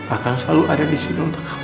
akan selalu ada disini untuk kamu